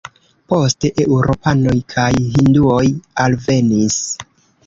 Poste eŭropanoj kaj hinduoj alvenis.